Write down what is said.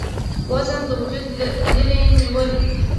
وزن د وجوده لرې نيول ،